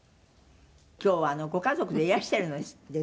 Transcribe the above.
「今日はご家族でいらしてるんですってね」